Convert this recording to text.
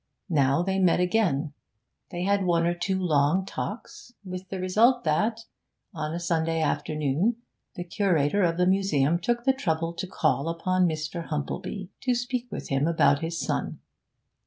Now they met again; they had one or two long talks, with the result that, on a Sunday afternoon, the curator of the museum took the trouble to call upon Mr. Humplebee, to speak with him about his son.